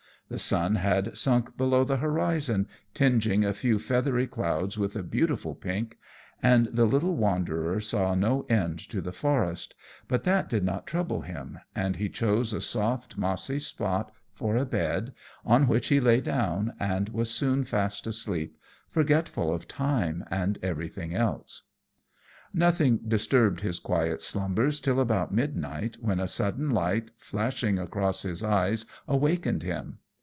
The sun had sunk below the horizon, tingeing a few feathery clouds with a beautiful pink, and the little wanderer saw no end to the forest; but that did not trouble him, and he chose a soft mossy spot for a bed, on which he lay down, and was soon fast asleep, forgetful of time and everything else. Nothing disturbed his quiet slumbers till about midnight, when a sudden light flashing across his eyes awakened him.